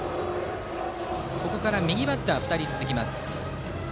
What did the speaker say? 萩から右バッターが２人続きます。